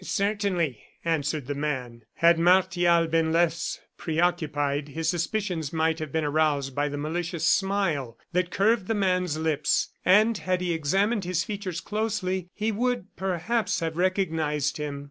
"Certainly," answered the man. Had Martial been less preoccupied, his suspicions might have been aroused by the malicious smile that curved the man's lips; and had he examined his features closely, he would perhaps have recognized him.